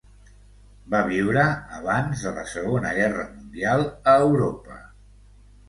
Va viure abans de la Segona Guerra Mundial a Europa.